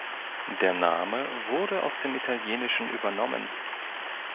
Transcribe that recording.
Der Name wurde aus dem Italienischen übernommen.